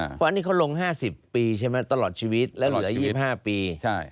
เพราะอันนี้เขาลง๕๐ปีใช่ไหมตลอดชีวิตแล้วเหลือ๒๕ปี